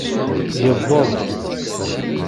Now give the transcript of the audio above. Yewweḍ.